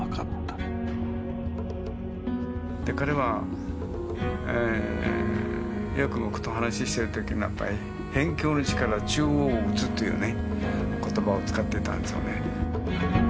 彼はよく僕と話してる時にやっぱりというね言葉を使ってたんですよね。